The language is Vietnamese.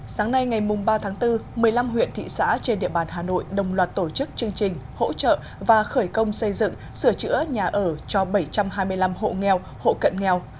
sáng nay ngày ba tháng bốn một mươi năm huyện thị xã trên địa bàn hà nội đồng loạt tổ chức chương trình hỗ trợ và khởi công xây dựng sửa chữa nhà ở cho bảy trăm hai mươi năm hộ nghèo hộ cận nghèo